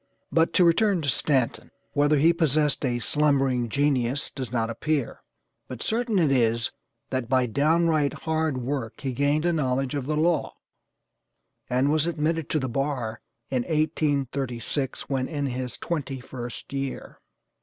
But to return to Stanton. Whether he possessed a 'slumbering genius' does not appear, but certain it is that by down right HARD WORK he gained a knowledge of the law, and was admitted to the bar in 1836, when in his twenty first year.